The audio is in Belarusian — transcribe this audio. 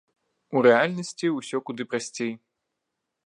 У рэальнасці ўсё куды прасцей.